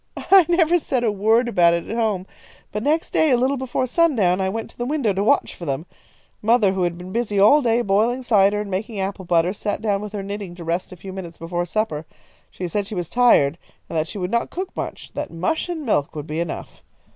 "I never said a word about it at home, but next day, a little while before sundown, I went to the window to watch for them. Mother, who had been busy all day, boiling cider and making apple butter, sat down with her knitting to rest a few minutes before supper. She said she was tired, and that she would not cook much; that mush and milk would be enough.